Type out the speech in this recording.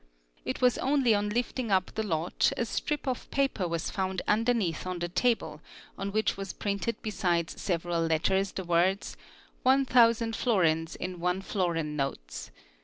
It was only on lifting up the lot a strip of paper was found underneath on the table on which yas printed besides several letters the words "1,000 florins in 1 florin notes."